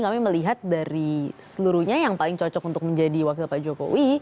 kami melihat dari seluruhnya yang paling cocok untuk menjadi wakil pak jokowi